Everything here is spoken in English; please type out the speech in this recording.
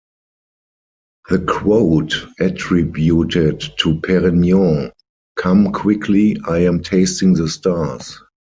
The quote attributed to Perignon-Come quickly, I am tasting the stars!